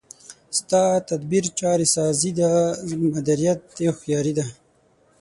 ستا تدبیر چاره سازي ده، مدیریت دی هوښیاري ده